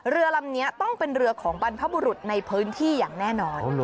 เรือลำนี้ต้องเป็นเรือของบรรพบุรุษในพื้นที่อย่างแน่นอน